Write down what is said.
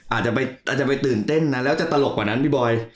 อาจจะไปตื่นเต้นนะแล้วจะตลกกว่านั้นพี่บอย